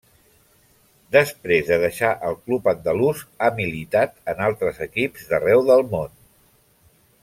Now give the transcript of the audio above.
Després de deixar el club andalús, ha militat en altres equips d'arreu del món.